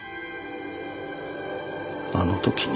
あの時に。